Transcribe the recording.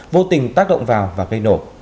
vô tình tác động vào và gây nổ